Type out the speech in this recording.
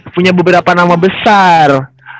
punya beberapa nama besar